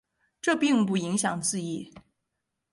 这并不影响字义。